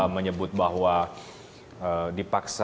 menyebut bahwa dipaksa sehat di negara yang baik ya